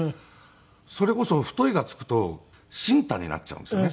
それこそ「太い」がつくとシンタになっちゃうんですよね。